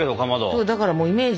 そうだからイメージ。